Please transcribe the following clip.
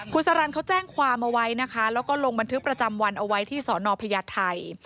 คุณสารันเขาแจ้งความเอาไว้นะคะแล้วก็ลงบันทึกประจำวันเอาไว้ที่สอนอพญาไทย